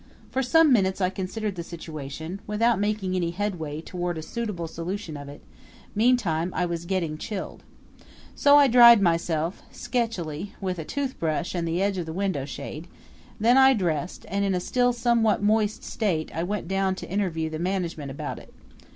For some minutes I considered the situation, without making any headway toward a suitable solution of it; meantime I was getting chilled. So I dried myself sketchily with a toothbrush and the edge of the window shade; then I dressed, and in a still somewhat moist state I went down to interview the management about it.